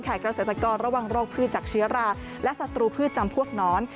เกษตรกรระวังโรคพืชจากเชื้อราและศัตรูพืชจำพวกน้อน